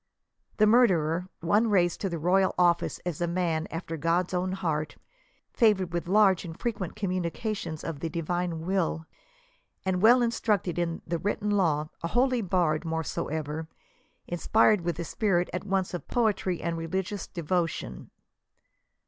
The murderer ;— one raised to the royal office as a man after God's own heart, favored with large and frequent communications of the divine will, and well instructed in the written law ; a holy bard, moreover, inspired with the spirit at once of poetry and religious devotion.